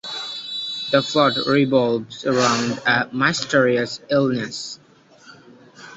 The plot revolves around "a mysterious illness".